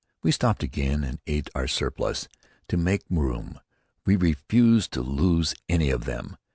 We stopped again and ate our surplus to make room. We refused to lose any of them.